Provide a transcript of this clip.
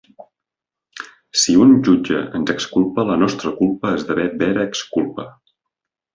Si un jutge ens exculpa la nostra culpa esdevé vera exculpa.